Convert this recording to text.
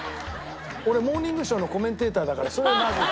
俺『モーニングショー』のコメンテーターだからそれはまずい。